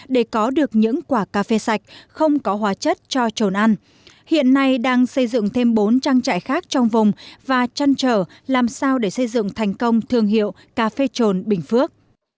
để có được những quả cà phê sạch không có hóa chất cho trồn ăn hiện nay đang xây dựng thêm bốn trang trại khác trong vùng và trăn trở làm sao để xây dựng thành công thương hiệu cà phê trồn bình phước